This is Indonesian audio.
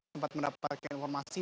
sempat mendapatkan informasi